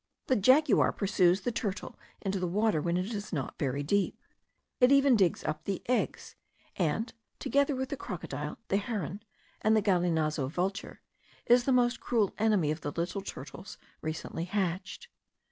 The jaguar pursues the turtle into the water when it is not very deep. It even digs up the eggs; and together with the crocodile, the heron, and the galinazo vulture, is the most cruel enemy of the little turtles recently hatched.